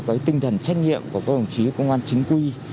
cái tinh thần trách nhiệm của các đồng chí công an chính quy